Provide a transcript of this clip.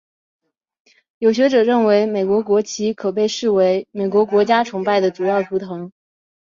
有学者认为美国国旗可被视为美国国家崇拜的主要图腾。